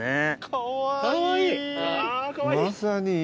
かわいい。